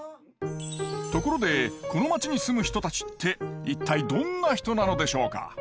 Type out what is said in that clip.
ところでこの町に住む人たちって一体どんな人なのでしょうか？